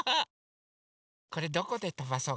これどこでとばそうかな？